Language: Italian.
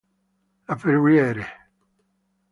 La Ferrière